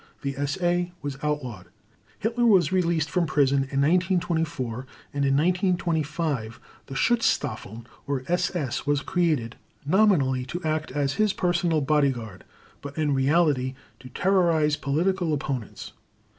The SA was outlawed. Hitler was released from prison in 1924 and in 1925 the Schutzstaffeln, or SS, was created, nominally to act as his personal bodyguard, but in reality to terrorize political opponents.